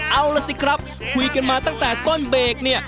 เอาล่ะสิครับคุยกันมาตั้งแต่ต้นเบรกเนี่ย